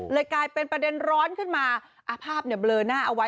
กลายเป็นประเด็นร้อนขึ้นมาอาภาพเนี่ยเบลอหน้าเอาไว้